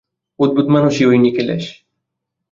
অদ্ভুত মানুষ ঐ নিখিলেশ।